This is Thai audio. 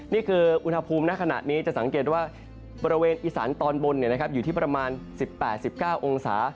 นี่คืออุณหภูมิในขณะนี้จะสังเกตว่าบริเวณอีสานตอนบนอยู่ที่ประมาณ๑๘๑๙องศา